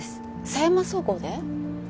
佐山総合で？